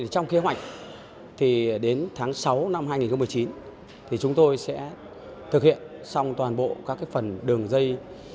trong kế hoạch đến tháng sáu năm hai nghìn một mươi chín chúng tôi sẽ thực hiện xong toàn bộ các phần đường dây